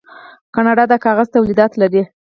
کاناډا د کاغذ تولیدات لري.